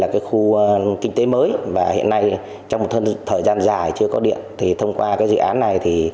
khu kinh tế mới và hiện nay trong một thời gian dài chưa có điện thì thông qua dự án này